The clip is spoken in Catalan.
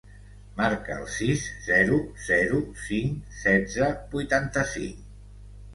Marca el sis, zero, zero, cinc, setze, vuitanta-cinc.